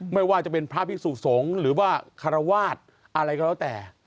ไม่ว่าจะเป็นพระพิสุสงฆ์หรือว่าคารวาสอะไรก็แล้วแต่